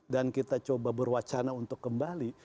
dan kita coba berwacana untuk kembali